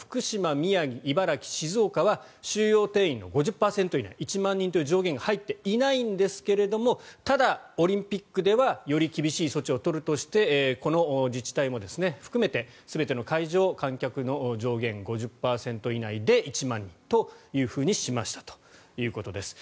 宮城、茨城静岡は収容定員の５０％以内１万人という上限が入っていないんですがただ、オリンピックではより厳しい措置を取るとしてこの自治体も含めて全ての会場で観客の上限５０％以内で１万人としましたということです。